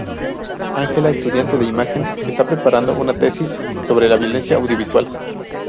Ángela, estudiante de Imagen, está preparando una tesis sobre la violencia audiovisual.